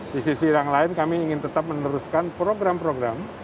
di sisi yang lain kami ingin tetap meneruskan program program